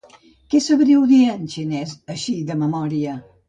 ¿Què sabríeu dir en xinès, així de memòria?